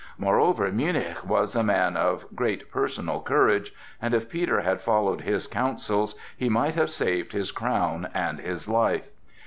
Moreover Münnich was a man of great personal courage, and if Peter had followed his counsels, he might have saved his crown and his life.